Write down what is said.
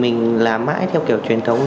mình làm mãi theo kiểu truyền thống